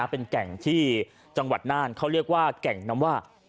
เป็นแก่งที่จังหวัดน่านเขาเรียกว่าแก่งน้ำว่า